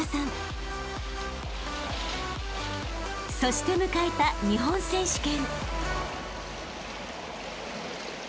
［そして迎えた日本選手権］